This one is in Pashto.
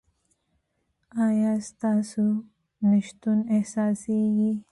ایا ستاسو نشتون احساسیږي؟